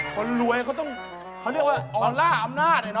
คนรวยเขาต้องอร่าอำนาจ